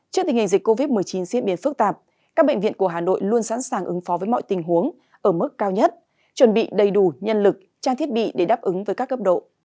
trước tình hình dịch covid một mươi chín diễn biến phức tạp các bệnh viện của hà nội luôn sẵn sàng ứng phó với mọi tình huống ở mức cao nhất chuẩn bị đầy đủ nhân lực trang thiết bị để đáp ứng với các cấp độ